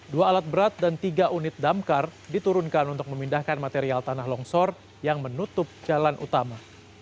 dua alat berat dan tiga unit damkar diturunkan untuk memindahkan material tanah longsor yang menutup jalan utama